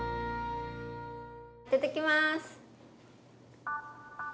いただきます！